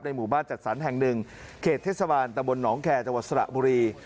หมู่บ้านจัดสรรแห่งหนึ่งเขตเทศบาลตะบลหนองแคร์จังหวัดสระบุรี